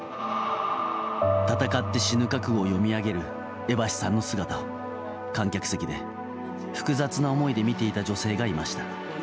戦って死ぬ覚悟を読み上げる江橋さんの姿を観客席で、複雑な思いで見ていた女性がいました。